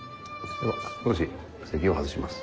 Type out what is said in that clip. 少し席を外します。